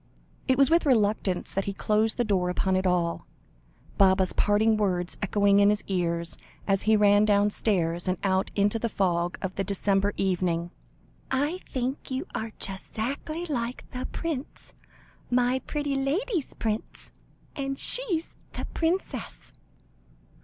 It was with reluctance that he closed the door upon it all, Baba's parting words echoing in his ears, as he ran downstairs, and out into the fog of the December evening "I think you are just 'zackly like the prince my pretty lady's prince and she's the princess!"